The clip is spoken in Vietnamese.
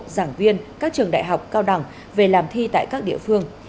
giảng viên các trường đại học cao đẳng về làm thi tại các địa phương